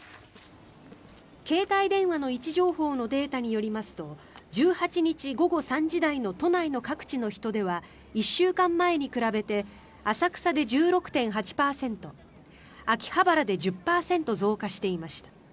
携帯電話の位置情報のデータによりますと１８日午後３時台の都内の各地の人出は１週間前に比べて浅草で１６．８％秋葉原で１０％増加していました。